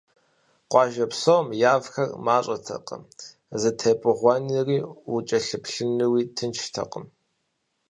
Къуажэ псом явхэр мащӏэтэкъым, зэтепӏыгъэнуи, укӏэлъыплъынуи тынштэкъым.